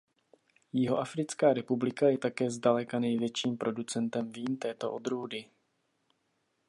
Jihoafrická republika je také zdaleka největším producentem vín této odrůdy.